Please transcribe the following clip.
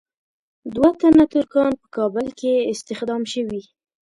دوه تنه ترکان په کابل کې استخدام شوي.